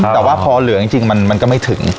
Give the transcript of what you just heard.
แต่ว่าพอเหลือจริงมันก็ไม่ถึง